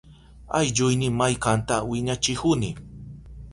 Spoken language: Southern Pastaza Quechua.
Allkuyni maykanta wiñachihuni.